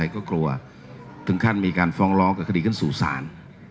ถึงเข้าจากนั้นทั้งมีการฟ้องร้องขนาดสูสาน